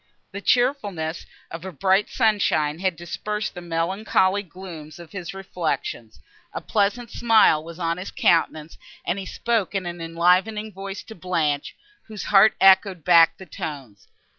The cheerfulness of a bright sunshine had dispersed the melancholy glooms of his reflections, a pleasant smile was on his countenance, and he spoke in an enlivening voice to Blanche, whose heart echoed back the tones.